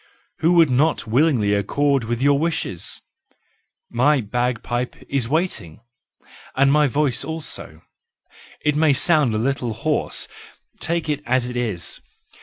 Who would not willingly accord with your wishes? My bagpipe is waiting, and my voice also—it may sound a little hoarse; take it as it is!